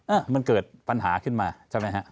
อ่ะมันเกิดปัญหาขึ้นมาใช่ไหมฮะ